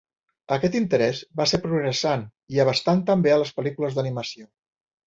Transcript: Aquest interès va ser progressant i abastant també a les pel·lícules d'animació.